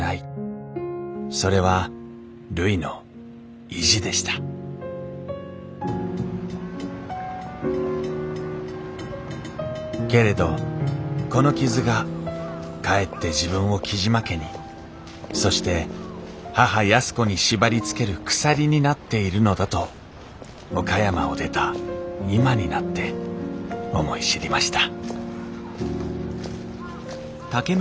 それはるいの意地でしたけれどこの傷がかえって自分を雉真家にそして母安子に縛りつける鎖になっているのだと岡山を出た今になって思い知りました